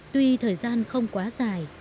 tuy thời gian không quá dài